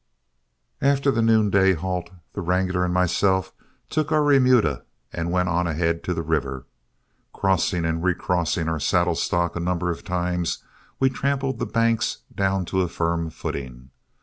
After the noonday halt, the wrangler and myself took our remuda and went on ahead to the river. Crossing and recrossing our saddle stock a number of times, we trampled the banks down to a firm footing.